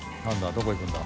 どこ行くんだ？